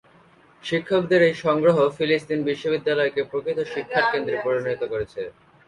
শিক্ষকদের এই সংগ্রহ ফিলিস্তিন বিশ্ববিদ্যালয়কে প্রকৃত শিক্ষার কেন্দ্রে পরিণত করেছে।